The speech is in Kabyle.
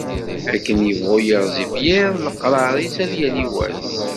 Akken yebɣu yiɣzif yiḍ, leqrar-is ad yali wass.